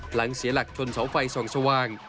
หลังเสียหลักชนเสาไฟส่องสว่าง